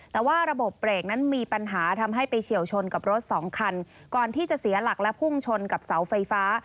แต่ว่าระบบเบรกนั้นมีปัญหาทำให้ไปเฉียวชนกับรถสองคันก่อนที่จะเสียหลักและพุ่งชนกับเสาไฟฟ้า